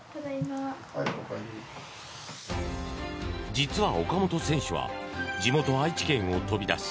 実は、岡本選手は地元・愛知県を飛び出し